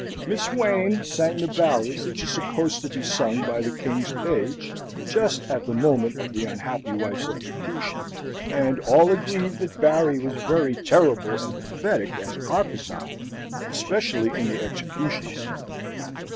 Miss Wayn sang the ballad which is supposed to be sung by the king's page, just at the moment of the unhappy wife's execution, and all agreed that Barry was very terrible and pathetic as Carpezan, especially in the execution scene.